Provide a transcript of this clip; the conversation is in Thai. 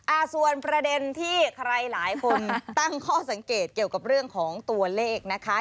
อ่าส่วนประเด็นที่ใครหลายคนตั้งข้อสังเกตเกี่ยวกับเรื่องของตัวเลขนะคะ